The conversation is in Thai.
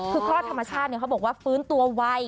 คือคลอดธรรมชาติเขาบอกว่าฟื้นตัวไว